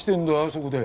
そこで。